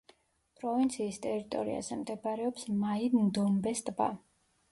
პროვინციის ტერიტორიაზე მდებარეობს მაი-ნდომბეს ტბა.